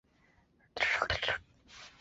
最后两个联盟冠军夺考尔德杯。